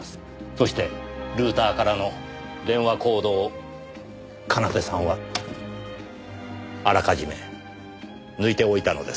そしてルーターからの電話コードを奏さんはあらかじめ抜いておいたのです。